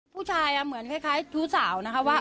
ผู้ชายอ่ะเหมือนคล้ายทุกสาวนะครับว่า